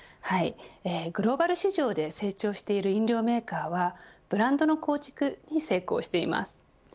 グローバル市場で成長している飲料メーカーはブランドの構築に成功しています。